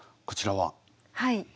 はい。